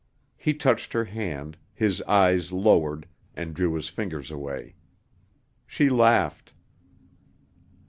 He touched her hand, his eyes lowered, and drew his fingers away. She laughed.